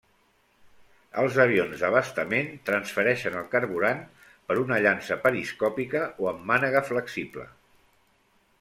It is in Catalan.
Els avions d'abastament transfereixen el carburant per una llança periscòpica o amb mànega flexible.